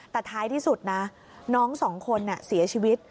แต่ท้ายที่สุดนะน้องสองคนเสียชีวิต